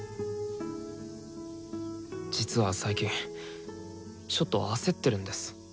実は最近ちょっと焦ってるんです。